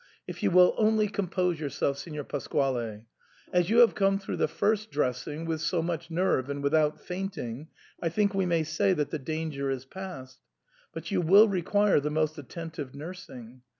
" If you will only compose yourself, Signor Pasquale ! As you have come through the first dressing with so much nerve and without fainting, I think we may say that the danger is past ; but you will require the most attentive nursing.